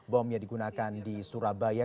bom yang digunakan di surabaya